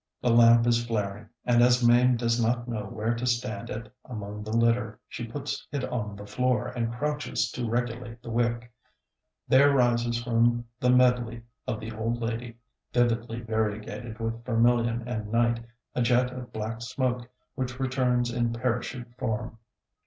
The lamp is flaring, and as Mame does not know where to stand it among the litter, she puts it on the floor and crouches to regulate the wick. There rises from the medley of the old lady, vividly variegated with vermilion and night, a jet of black smoke, which returns in parachute form.